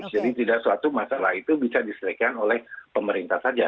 jadi tidak suatu masalah itu bisa disediakan oleh pemerintah saja